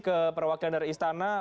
ke perwakilan dari istana